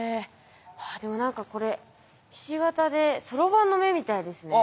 でも何かこれひし形でそろばんの目みたいですね。